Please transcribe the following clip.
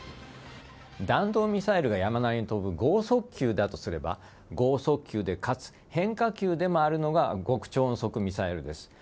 弾道ミサイルが山なりに飛ぶ剛速球だとすれば剛速球でかつ変化球でもあるのが極超音速ミサイルです。